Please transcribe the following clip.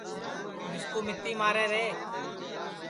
مِسکُو متی مارے رے